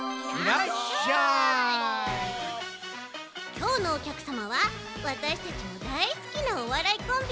きょうのおきゃくさまはわたしたちもだいすきなおわらいコンビ